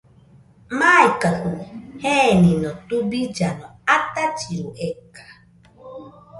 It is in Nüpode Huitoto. Maikajɨ genino tubillano atachiru eka.